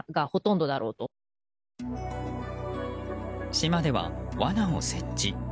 島では罠を設置。